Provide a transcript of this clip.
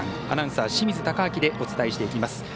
アナウンサー、清水敬亮でお伝えしていきます。